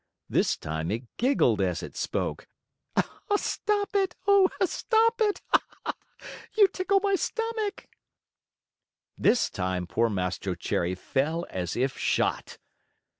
This time it giggled as it spoke: "Stop it! Oh, stop it! Ha, ha, ha! You tickle my stomach." This time poor Mastro Cherry fell as if shot.